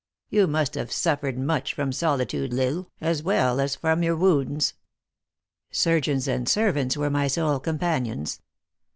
You must have suffered much from solitude, L Isle, as well as from your wounds." " Surgeons and servants were my sole companions.